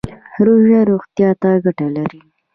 روژه روغتیا ته ګټه لري